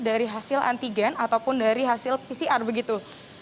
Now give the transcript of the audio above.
dari hasil antigen ataupun dari hasil pcr begitu